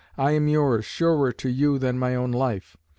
I am yours surer to you than my own life.